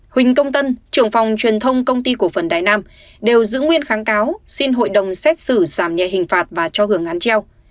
huỳnh công tân trưởng phòng truyền thông công ty cổ phần đài nam đều giữ nguyên kháng cáo xin hội đồng xét xử giảm nhẹ hình phạt và cho hưởng án treo